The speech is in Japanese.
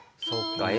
そうか。